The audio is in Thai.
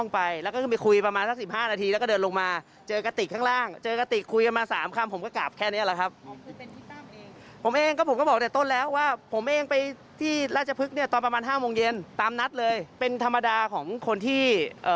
ประมาณ๕โมงเย็นตามนัดเลยเป็นธรรมดาของคนที่